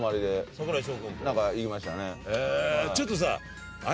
ちょっとさ。